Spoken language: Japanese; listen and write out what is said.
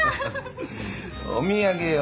「お土産を」